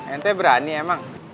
ente berani emang